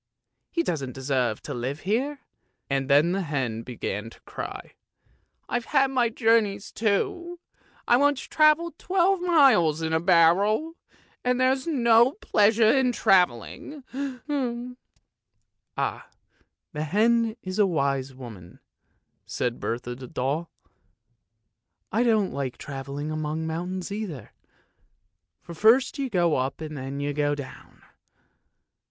He doesn't deserve to live here." And the hen began to cry. " I've had my journeys too; I once travelled twelve miles in a barrel, and there's no pleasure in travelling." " Ah, the hen is a wise woman! " said Bertha the doll. " I don't like travelling among mountains either, for first you go up and then you go down